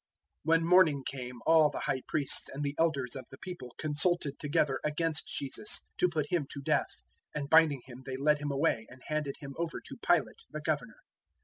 027:001 When morning came all the High Priests and the Elders of the people consulted together against Jesus to put Him to death; 027:002 and binding Him they led Him away and handed Him over to Pilate the Governor.